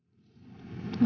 terima kasih ya